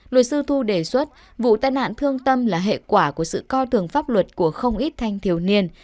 luật sư thu đề xuất vụ tai nạn thương tâm là hệ quả của sự coi thường pháp luật của không ít thanh thiếu niên